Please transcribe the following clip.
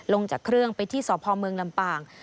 ลงจากเครื่องไปที่สพเมืองลำปาง